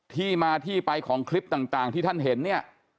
ที่มาที่ไปของคลิปต่างที่ท่านเห็นเนี่ย